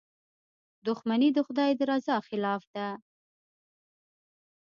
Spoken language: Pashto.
• دښمني د خدای د رضا خلاف ده.